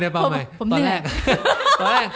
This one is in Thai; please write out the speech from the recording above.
ผมเหนื่อย